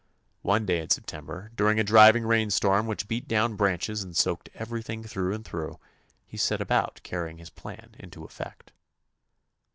One day in September, during a driving rain storm which beat down branches and soaked everything through and through, he set about carrying his plan into effect.